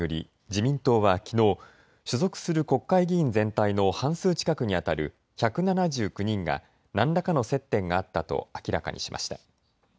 自民党はきのう所属する国会議員全体の半数近くにあたる１７９人が何らかの接点があったと明らかにしました。